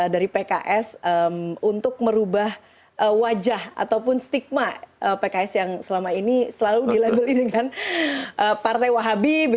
dari pks untuk merubah wajah ataupun stigma pks yang selama ini selalu dilabelin dengan partai wahabi